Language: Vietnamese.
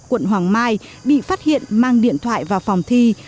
quận hoàng mai bị phát hiện mang điện thoại vào phòng thi